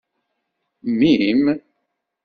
Mmi-m.